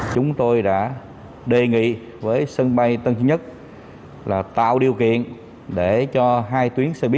chúng tôi đã đề nghị với sân bay tân chính nhất là tạo điều kiện để cho hai tuyến xe buýt